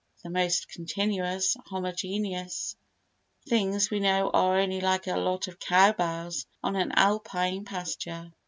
The most continuous, homogeneous things we know are only like a lot of cow bells on an alpine pasture.